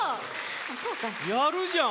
やるじゃん！